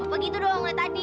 bapak gitu dong dari tadi